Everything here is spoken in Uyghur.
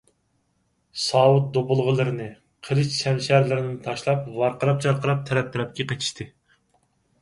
ساۋۇت - دۇبۇلغىلىرىنى، قىلىچ - شەمشەرلىرىنى تاشلاپ، ۋارقىراپ - جارقىراپ تەرەپ - تەرەپكە قېچىشتى.